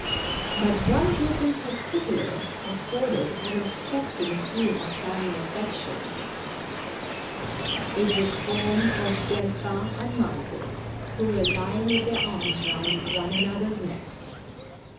But one group in particular afforded an affecting scene of family affection. It was formed of Delphin and Mar got, who were lying with their arms round one another's necks.